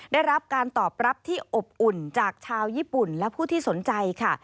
ได้รับการตอบรับที่อบอุ่นจากชาวญี่ปุ่นและผู้ที่สนใจค่ะ